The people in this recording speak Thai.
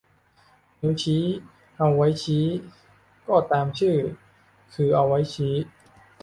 นิ้วชี้ เอาไว้ชี้ ก็ตามชื่อ คือเอาไว้ชี้